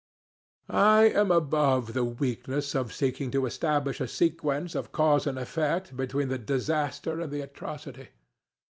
I am above the weakness of seeking to establish a sequence of cause and effect, between the disaster and the atrocity.